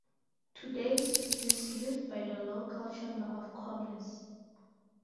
Today it is used by the local chamber of commerce.